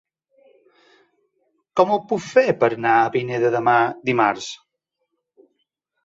Com ho puc fer per anar a Pineda de Mar dimarts?